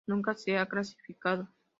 Nunca se ha clasificado.